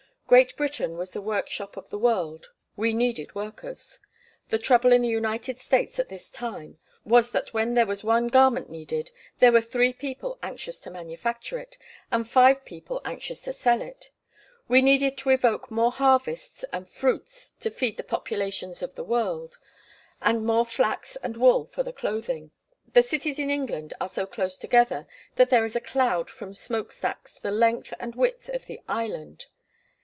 Great Britain was the workshop of the world; we needed workers. The trouble in the United States at this time was that when there was one garment needed there were three people anxious to manufacture it, and five people anxious to sell it. We needed to evoke more harvests and fruits to feed the populations of the world, and more flax and wool for the clothing. The cities in England are so close together that there is a cloud from smokestacks the length and width of the island.